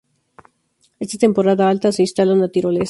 En temporada alta, se instala una tirolesa.